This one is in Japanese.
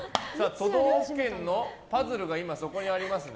都道府県のパズルが今そこにありますね。